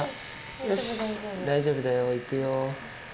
よし大丈夫だよ行くよ。